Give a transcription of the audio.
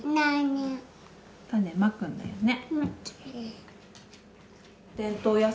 種まくんだよね。